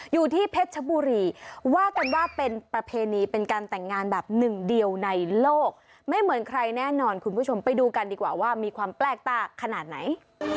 อยู่ที่เพชรชบุรีว่ากันว่าเป็นประเพณีเป็นการแต่งงานแบบหนึ่งเดียวในโลกไม่เหมือนใครแน่นอนคุณผู้ชมไปดูกันดีกว่าว่ามีความแปลกต้าขนาดไหน